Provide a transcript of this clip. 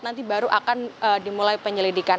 nanti baru akan dimulai penyelidikan